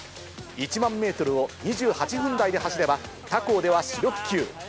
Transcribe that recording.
１万メートルを２８分台で走れば、他校では主力級。